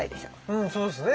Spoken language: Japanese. うんそうですね。